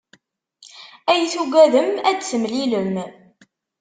Ay tugadem ad d-temlilem.